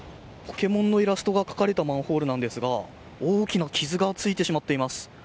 「ポケモン」のイラストが描かれたマンホールなんですが大きな傷がついてしまっています。